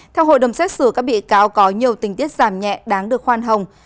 theo hội đồng xét xử các bị cáo có nhiều tình tiết giảm nhẹ đáng được khoan hồng